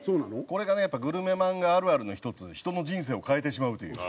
これがねやっぱグルメ漫画あるあるの１つ人の人生を変えてしまうという。